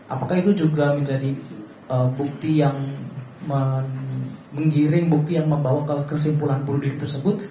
apakah itu juga menjadi bukti yang menggiring bukti yang membawa kesimpulan bunuh diri tersebut